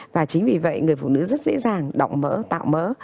và chính vì vậy người phụ nữ rất dễ dàng động mỡ tạo mỡ